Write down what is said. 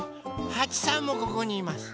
はちさんもここにいます。